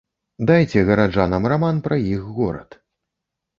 Дайце гараджанам раман пра іх горад.